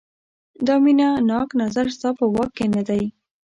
دا مینه ناک نظر ستا په واک کې نه دی.